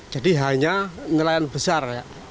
jadi hanya nelayan besar